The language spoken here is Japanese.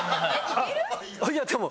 あっいやでも。